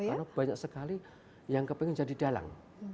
karena banyak sekali yang ingin jadi dalang